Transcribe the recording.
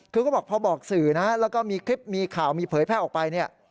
คือก็บอกพอบอกสื่อนะแล้วก็มีคลิปมีข่าวมีเผยแพร่ออกไปเนี่ย